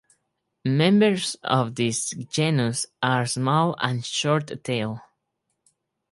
Members of this genus are small and short-tailed.